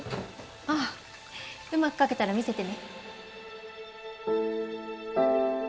あっうまく描けたら見せてね。